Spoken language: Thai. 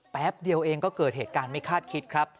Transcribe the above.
แป๊บเดียวเองก็เกิดเหตุการณ์ไม่คาดคิดครับ